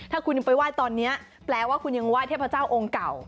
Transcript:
ถ้าคุณยังไปไหว้ตอนนี้แปลว่าคุณยังไห้เทพเจ้าองค์เก่า